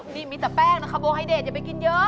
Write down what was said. นี่มีแต่แป้งนะคะโบไฮเดทอย่าไปกินเยอะ